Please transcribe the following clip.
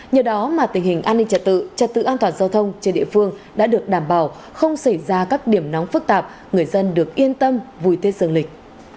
nhờ đó mà tình hình an ninh trật tự trật tự an toàn giao thông trên địa phương đã được đảm bảo không xảy ra các điểm nóng phức tạp người dân được yên tâm vui thế sương lịch